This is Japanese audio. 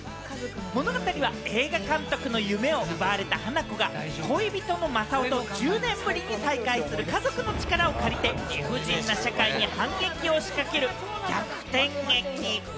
物語は映画監督の夢を奪われた花子が恋人の正夫と１０年ぶりに再会する家族の力を借りて、理不尽な社会に反撃を仕掛ける逆転劇。